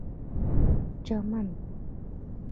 چمن